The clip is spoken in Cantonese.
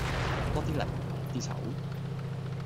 多啲嚟密啲手